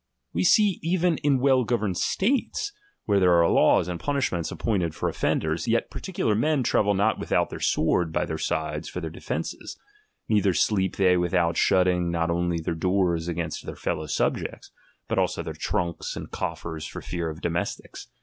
We see even ia well governed states, where there are laws and punishments appointed for offenders, yet particular men travel not without their sword by their sides for their defences ; neither sleep they without shutting not only their doors against their fellow subjects, but also their trunks and coffers for fear of domestics.